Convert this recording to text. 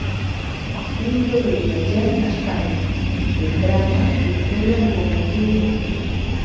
Introduïa gent a Espanya, entrava i treia documents i diners.